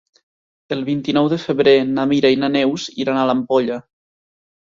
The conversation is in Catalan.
El vint-i-nou de febrer na Mira i na Neus iran a l'Ampolla.